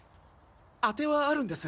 当てはあるんです。